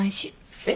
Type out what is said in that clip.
えっ？